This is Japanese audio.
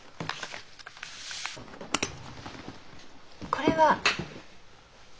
これは？